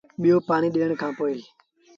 ٻيو پآڻيٚ ڏيٚڻ کآݩ پو